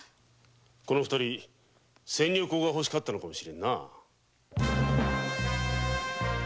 この二人仙女香が欲しかったのかも知れんな。